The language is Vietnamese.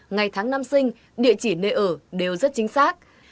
ngày tháng năm sinh địa chỉ nơi ở đều rất chính xác